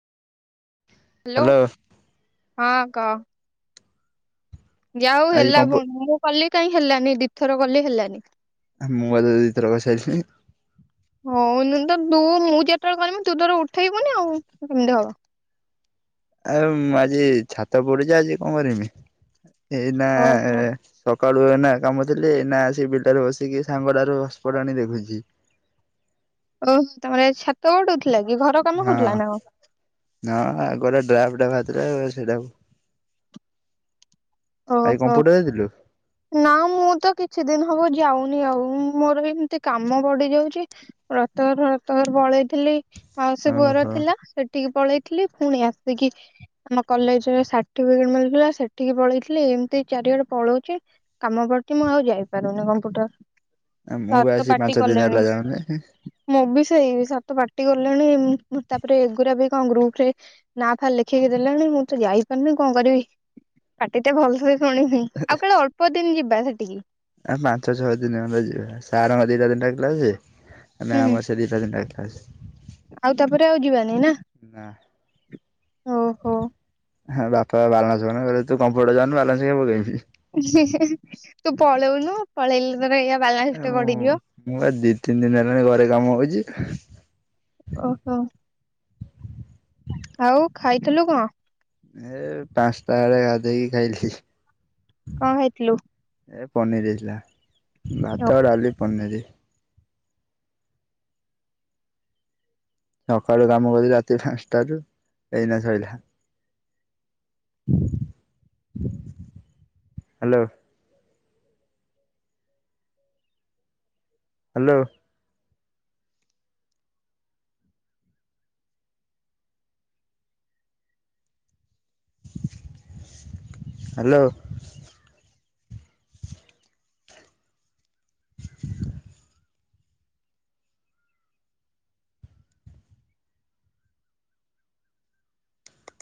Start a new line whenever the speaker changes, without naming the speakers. Hello
hello
ହଁ କହ। ଯା ହଉ
ଆଜି
ହେଲା
କଣ ପ
ମୁଁ କଲି କାହିଁ ହେଲାନି ଦି ଥର କଲି ହେଲାନି।
ମୁଁ ବା ତତେ ଦି ଥର କରି ସାଇଲିଣୀ।
ହଉନି ତ ତୁ ମୁଁ ଯେତେବେଳେ କରିବି ତୁ ତୋର ଉଠେଇବୁନି ଆଉ କେମିତି ହବ।
ଆଉ ଆଜି ଛାତ ପଡିଚି ଆଜି କଣ କରିମି ଏଇନା
ଓହୋ।
ଏ ସକାଳୁ ଏଇନା କାମ ଥିଲେ ଏଇନା ଆସିକି ବିଲଟାରେ ବସିକି ସାଙ୍ଗଟାରୁ ହସ୍ପଟ ଆଣି ଦେଖୁଛି।
ଓହୋ ତମର ଆଜି ଛାତ ପଡୁଥିଲା କି ଘର। କାମ
ହଁ
ହଉଥିଲା ନା କଣ?
ହଁ ଗୋଟେ ଡ୍ରାଫଟା ବାହାରିଥିଲା ସେଟାକୁ।
ଅ
ଆଜି
ହୋ।
କମ୍ପ୍ୟୁଟର ଯାଇଥିଲୁ
ନା ମୁଁ ତ କିଛି ଦିନ ହବ ଯାଉନି ଆଉ ମୋର ଏମିତି କାମ ପଡିି ଯାଉଚି। ବ୍ରତଘର ବ୍ରତଘର ପଳେଇଥିଲି ଆଉ ସେ ପୁଅର
ଓହୋ
ଥିଲା। ସେଠିକି ପଳେଇଥିଲି ପୁଣି ଆସିକି ଆମ କଲେଜରେ ସାର୍ଟିଫିକେଟ ମିଳୁଥିଲା ସେଠିକି ପଳେଇ ଏମିତି ଚାରିଆଡେ ପଳଉଛି କାମ ପଡୁଛି ମୁଁ ଆଉ ଯାଇପାରୁନି କମ୍ପୁଟର।
ଆ ମୁଁ ବି ଆଜି ପାଞ୍ଚ ଦିନି ହେଲା ଯାଉନି।
ମୁଁ ବି ସେଇ ସାର ତ ପାଟି ଗଲେଣି ତାପରେ ଏଗୁୁରା ବି କଣ ଗ୍ରୁପରେ। ନା ଫା ଲେଖିକି ଦେଲେଣି ମୁଁ ତ ଯାଇପାରୁିନି କଣ କରିବି। ଏତେ ଭଲ ସେ ଶୁଣିନି ଆଉ କାଳେ ଅଳ୍ପ ଦିନ ଯିବା ସେଠିକି।
ଆ ପାଞ୍ଚ ଛଅ ଦିନ ହେଲା ଯିବା ସାରଙ୍କ ଦିଟା ଦିନ ଡାକିଲା ସେ। ମାନେ
ହୁଁ
ଆମର ସେଟି ସେ ଦି ଚାର ଦିନ ଟା କ୍ଲାସ।
ଆଉ ତାପରେ ଆଉ ଯିବାନି ନା।
ନା।
ଓହୋ
ହଁ ବାପା ବାଲାନ୍ସ ପକଉନାହାନ୍ତି କହିଲେ ତୁ କମ୍ପୁଟର ଯାଉନୁ ବାଲାନ୍ସ କାଇଁ ପକେଇବି
ତୁ ପଳଉନୁ ପଳେଇଲେ ତର ଏଇଆ
ଏ
ବାଲାନ୍ସଟେ
ମୁଁ
ପଡିିଯିବ।
ମୁଁ ବା ଦି ତିନି ଦିନ ହେଲାଣି ଘରେ କାମ ହଉଜି।
ଓହୋ। ଆଉ ଖାଇଥିଲୁ କଣ?
ଏ ପାଞ୍ଚଟା ବେଳେ ଗାଧେଇକି ଖାଇଥିଲି।
କଣ ଖାଇଥିଲୁ?
ଏ ପନିର ହେଇଥିଲା ଭାତ, ଡାଲି, ପନିରି। ସକାଳୁ କାମ କଲି ରାତି ପାଞ୍ଚଟାରୁୁ ଏଇନା ସଇଲା। ହାଲୋ। ହାଲୋ। ହାଲୋ।